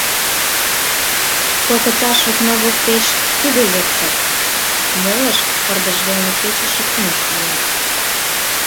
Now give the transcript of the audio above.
Кокыташ окна воктеч тӱгӧ лектыт, молышт пырдыж велне кечыше пуныш мият.